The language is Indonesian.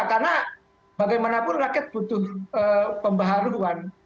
karena bagaimanapun rakyat butuh pembaharuan